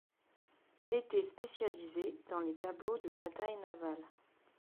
Il était spécialisé dans les tableaux de batailles navales.